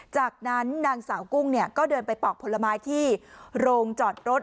จากนั้นนางสาวกุ้งก็เดินไปปอกผลไม้ที่โรงจอดรถ